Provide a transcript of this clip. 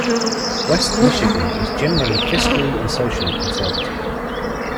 West Michigan is generally fiscally and socially conservative.